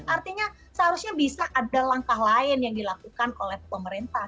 artinya seharusnya bisa ada langkah lain yang dilakukan oleh pemerintah